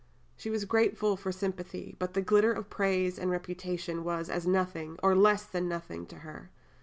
She was grateful for sympathy; but the glitter of praise and reputation was as nothing, or less than nothing, to her.